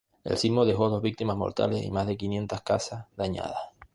El sismo dejó dos víctimas mortales y más de quinientas casas dañadas.